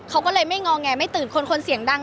เขาก็เลยไม่งอแงไม่ตื่นคนคนเสียงดัง